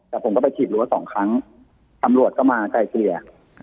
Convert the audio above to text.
แต่ผมก็ไปขีดรั้วสองครั้งตำรวจก็มาไกลเกลี่ย